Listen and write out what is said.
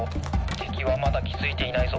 てきはまだきづいていないぞ。